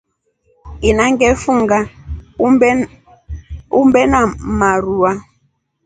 Ina ngefunga umbe wa marua.